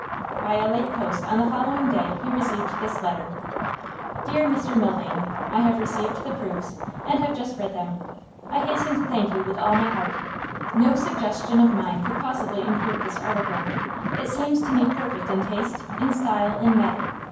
By a late post on the following day he received this letter: 'DEAR MR MILVAIN, I have received the proofs, and have just read them; I hasten to thank you with all my heart. No suggestion of mine could possibly improve this article; it seems to me perfect in taste, in style, in matter.